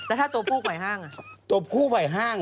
แล้วถ้าตัวผู้ฝ่ายห้าง